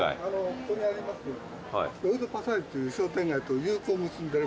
ここにありますロイドパサージュという商店街と友好を結んでる。